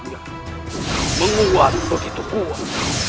will menguat tuh itu kuat